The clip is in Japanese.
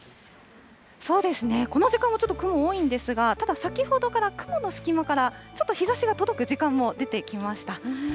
そうですね、この時間もちょっと雲多いんですが、ただ先ほどから雲の隙間から、ちょっと日ざしが届く時間も出てきました。